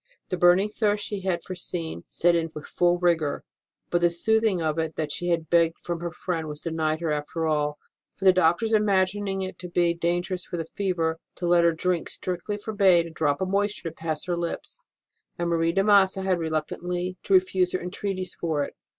The burning thirst she had foreseen set in with full rigour ; but the soothing of it that she had begged from her friend was denied her after all, for the doctors imagining it to be dangerous for the fever to let her drink strictly forbade a drop of moisture to pass her lips, and Marie de Massa had reluctantly to refuse her entreaties for it.